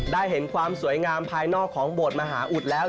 ได้เห็นความสวยงามภายนอกของโบสถ์มหาอุดแล้ว